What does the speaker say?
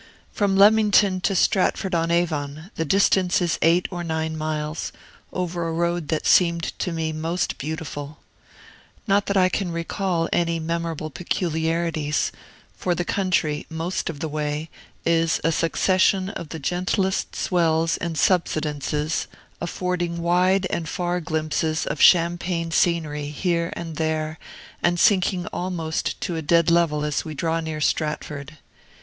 From Leamington to Stratford on Avon the distance is eight or nine miles, over a road that seemed to me most beautiful. Not that I can recall any memorable peculiarities; for the country, most of the way, is a succession of the gentlest swells and subsidences, affording wide and far glimpses of champaign scenery here and there, and sinking almost to a dead level as we draw near Stratford.